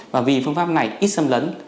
và vì phương pháp này ít sâm lấn